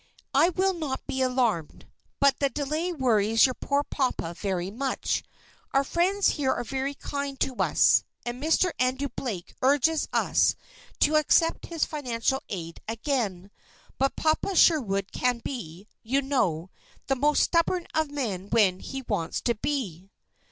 I will not be alarmed. But the delay worries your poor papa very much. Our friends here are very kind to us, and Mr. Andrew Blake urges us to accept his financial aid again; but Papa Sherwood can be, you know, the most stubborn of men when he wants to be."